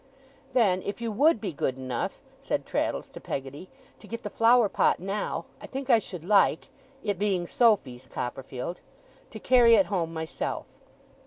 'Then if you WOULD be good enough,' said Traddles to Peggotty, 'to get the flower pot now, I think I should like (it being Sophy's, Copperfield) to carry it home myself!